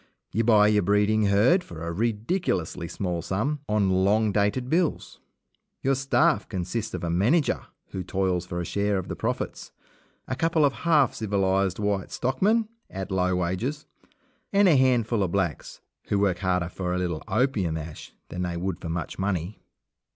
You buy your breeding herd for a ridiculously small sum, on long dated bills. Your staff consists of a manager, who toils for a share of the profits, a couple of half civilized white stockmen at low wages, and a handful of blacks, who work harder for a little opium ash than they would for much money.